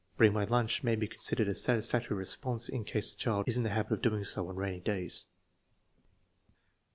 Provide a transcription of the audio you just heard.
"Bring my lunch" may be considered a satisfactory response in case the child is in the habit of so doing on rainy days.